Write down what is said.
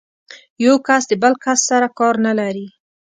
یو کس د بل کس سره کار نه لري.